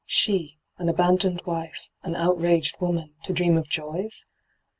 She, an abandoned wife, an outrf^ed woman, to dream of joys